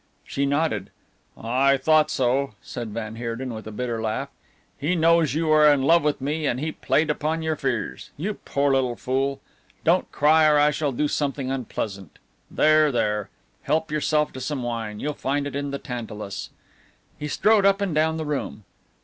She nodded. "I thought so," said van Heerden with a bitter laugh. "He knows you are in love with me and he played upon your fears. You poor little fool! Don't cry or I shall do something unpleasant. There, there. Help yourself to some wine, you'll find it in the tantalus." He strode up and down the room.